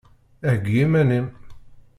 Heggi iman-im!